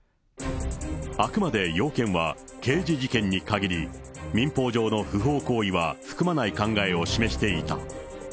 あくまで要件は、刑事事件に限り、民法上の不法行為は含まない考えを示していた。